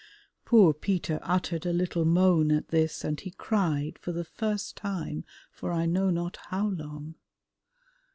Poor Peter uttered a little moan at this, and he cried for the first time for I know not how long.